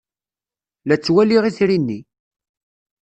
La ttwaliɣ itri-nni.